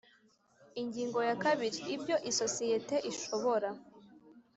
Ingingo ya kabiri Ibyo isosiyete ishobora